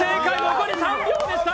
残り３秒でした。